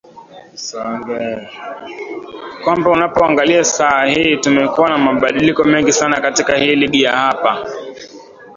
kwamba unapoangalia saa hii tumekuwa na mabadiliko mengi sana katika hii ligi ya hapa